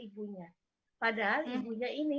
ibunya padahal ibunya ini